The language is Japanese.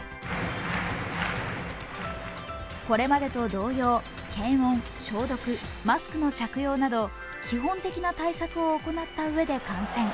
これまでと同様、検温、消毒マスクの着用など基本的な対策を行ったうえで実践。